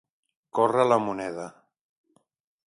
Córrer la moneda.